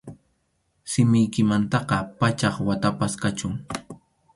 Simiykimantaqa pachak watapas kachun.